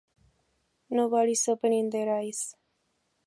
Nobody is opening their eyes!